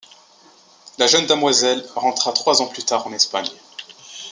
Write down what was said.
La jeune demoiselle rentra trois ans plus tard en Espagne.